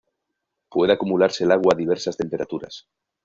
Puede acumularse el agua a diversas temperaturas.